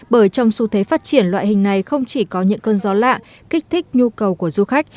bởi trong xu thế phát triển loại hình này không chỉ có những cơn gió lạ kích thích nhu cầu của du khách